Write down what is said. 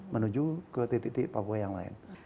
menuju ke titik titik papua yang lain